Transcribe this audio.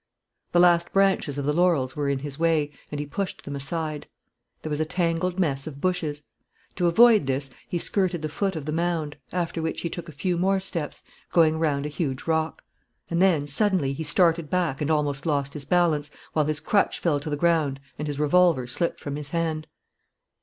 The last branches of the laurels were in his way, and he pushed them aside. There was a tangled mass of bushes. To avoid this, he skirted the foot of the mound, after which he took a few more steps, going round a huge rock. And then, suddenly, he started back and almost lost his balance, while his crutch fell to the ground and his revolver slipped from his hand.